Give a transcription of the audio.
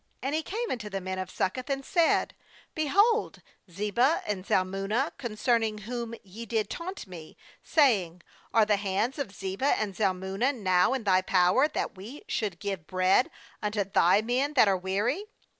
16And he came unto the men of Succoth, and said: 'Behold Zebah and Zalmunna, concerning whom ye did taunt me, saying: Are the hands of Zebah and Zalmunna now in thy power, tha j; we should give bread unto thy men that are weary?'